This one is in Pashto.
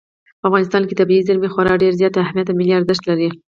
په افغانستان کې طبیعي زیرمې خورا ډېر زیات اهمیت او ملي ارزښت لري.